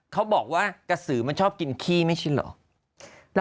เขาบอกว่ากระสือมันชอบกินขี้ไม่ใช่เหรอ